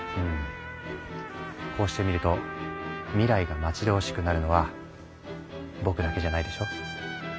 こうしてみると未来が待ち遠しくなるのは僕だけじゃないでしょ？